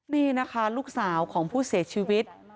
นี่นะคะลูกสาวของผู้เสียชีวิต